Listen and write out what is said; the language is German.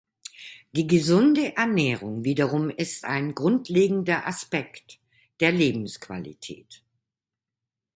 Die gesunde Ernährung wiederum ist ein grundlegender Aspekt der Lebensqualität.